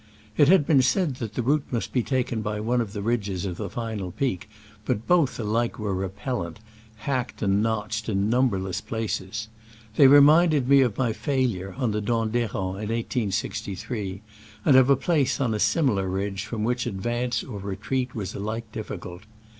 It had been said that the route must be taken by one of the ridges of the final peak, but both were alike repellent, hacked and notched in numberless places. They reminded me of my failure on the Dent d'Herens in 1863, and of a place on a similar ridge from which advance or retreat was alike difficult.